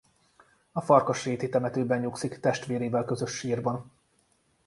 A Farkasréti temetőben nyugszik testvérével közös sírban.